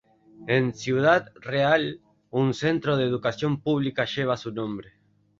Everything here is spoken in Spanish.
En ciudad Real un centro de educación pública lleva su nombre.